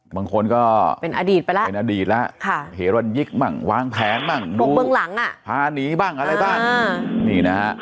บางคนก็เป็นอดีตแล้วเฮรั่นยิกบ้างว้างแผงบ้างหนูพาหนีบ้างอะไรบ้าง